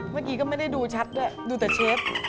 เมื่อกี้ก็ไม่ได้ดูชัดด้วยดูแต่เชฟ